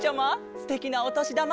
すてきなおとしだま。